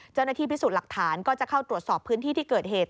เจ้าหน้าที่พิสูจน์หลักฐานก็จะเข้าตรวจสอบพื้นที่ที่เกิดเหตุ